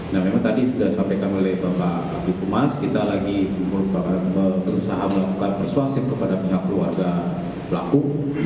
nah memang tadi sudah sampaikan oleh bapak bitumas kita lagi berusaha melakukan persuasif kepada pihak keluarga pelaku